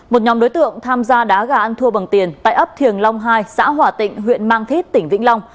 một nhóm đối tượng tham gia đá gà ăn thua bằng tiền tại ấp thiềng long hai xã hỏa tịnh huyện mang thít tỉnh vĩnh long